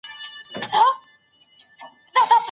د مسلي وضاحت زړونه ډاډه کوي.